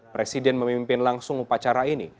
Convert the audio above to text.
presiden memimpin langsung upacara ini